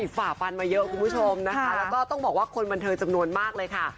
ฝ่าฟันมาเยอะคุณผู้ชมนะคะแล้วก็ต้องบอกว่าคนบันเทิงจำนวนมากเลยค่ะ